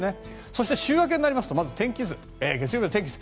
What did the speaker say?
そして、週明けになりますとまず月曜日の天気図。